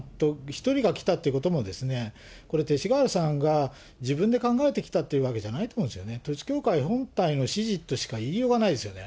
一人が来たってことも、勅使河原さんが自分で考えてきたというわけじゃないと思うんですよね、統一教会本体の指示としか言いようがないですよね。